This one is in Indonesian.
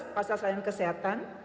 pasar selain kesehatan